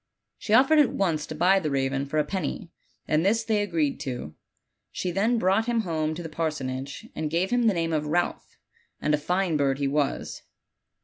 She offered at once to buy the raven for a penny, and this they agreed to. She then brought him home to the parsonage, and gave him the name of Ralph, and a fine bird he was.